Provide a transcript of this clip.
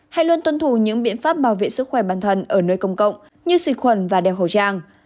hãy luôn tuân thủ những biện pháp bảo vệ sức khỏe bản thân ở nơi công cộng như xịt khuẩn và đeo khẩu trang